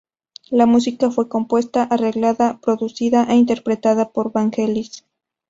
La música fue compuesta, arreglada, producida e interpretada por Vangelis.